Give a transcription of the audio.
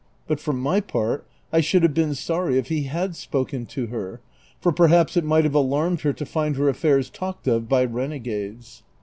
But for my part, I should have been sorry if he had s^joken to her, for perhaps it might have alarmed her to find her affairs talked of by renegades.